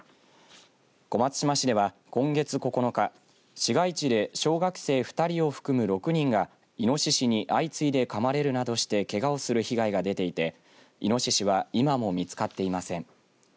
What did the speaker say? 小松島市では今月９日市街地で小学生２人を含む６人がいのししに相次いでかまれるなどしてけがをする被害が出ていていのししは今も見つかっていません。